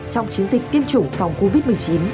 trong chiến dịch tiêm chủng phòng covid một mươi chín